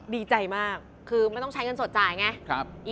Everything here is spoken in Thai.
ดีใจมากคือไม่ต้องใช้เงินสดจ่ายไง